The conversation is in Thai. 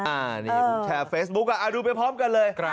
อ่านี่แชร์เฟซบุ๊คอ่ะดูไปพร้อมกันเลย